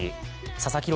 佐々木朗